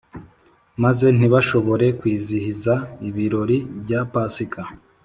maze ntibashobore kwizihiza ibirori bya pasika